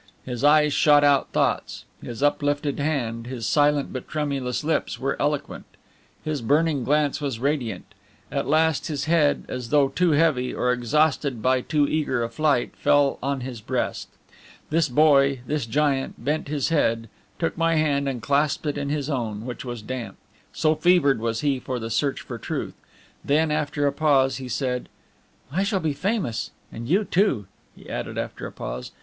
His eyes shot out thoughts; his uplifted hand, his silent but tremulous lips were eloquent; his burning glance was radiant; at last his head, as though too heavy, or exhausted by too eager a flight, fell on his breast. This boy this giant bent his head, took my hand and clasped it in his own, which was damp, so fevered was he for the search for truth; then, after a pause, he said: "I shall be famous! And you, too," he added after a pause.